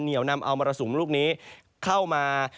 เหนียวนำเอามรสุมลูกนี้เข้ามา